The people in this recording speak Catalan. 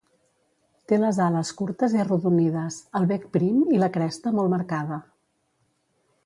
Té les ales curtes i arrodonides, el bec prim i la cresta molt marcada.